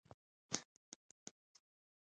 • د واورې لاندې طبیعت سحر ښکاري.